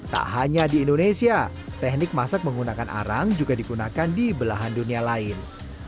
tak hanya di indonesia teknik masak menggunakan arang juga digunakan di belahan dunia lain